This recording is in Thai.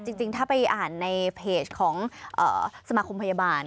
จริงถ้าไปอ่านในเพจของสมาคมพยาบาล